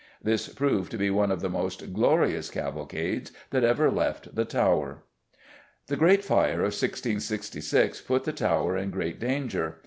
This proved to be one of the "most glorious cavalcades" that ever left the Tower. The Great Fire of 1666 put the Tower in great danger.